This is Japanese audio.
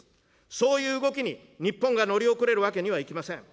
そういう動きに日本が乗り遅れるわけにはいきません。